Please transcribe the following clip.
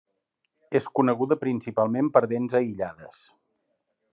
És coneguda principalment per dents aïllades.